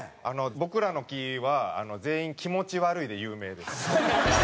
僕らの期は全員気持ち悪いで有名です。